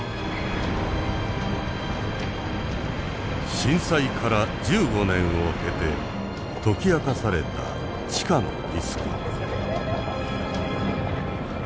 震災から１５年を経て解き明かされた地下のリスク。